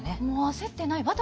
もう焦ってない。